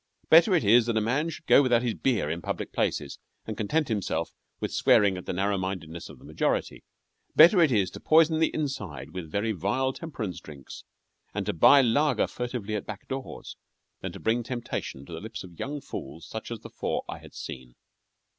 Better it is that a man should go without his beer in public places, and content himself with swearing at the narrow mindedness of the majority; better it is to poison the inside with very vile temperance drinks, and to buy lager furtively at back doors, than to bring temptation to the lips of young fools such as the four I had seen.